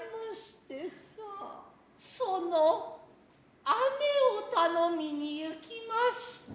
其の雨を頼みに行きました。